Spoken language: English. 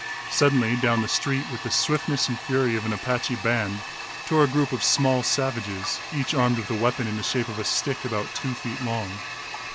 Suddenly, down the street with the swiftness and fury of an Apache band, tore a group of small savages, each armed with a weapon in the shape of a stick about two feet long.